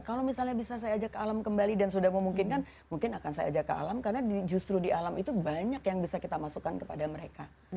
kalau misalnya bisa saya ajak ke alam kembali dan sudah memungkinkan mungkin akan saya ajak ke alam karena justru di alam itu banyak yang bisa kita masukkan kepada mereka